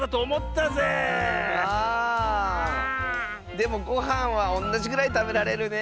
でもごはんはおんなじぐらいたべられるねえ。